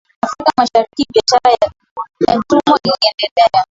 Afrika Mashariki biashara ya watumwa iliendelea